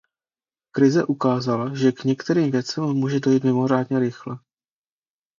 Krize ukázala, že k některým věcem může dojít mimořádně rychle.